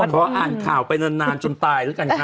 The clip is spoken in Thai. ขออ่านข่าวไปนานจนตายแล้วกันค่ะ